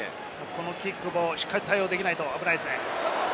このキックもしっかり対応できないと危ないですね。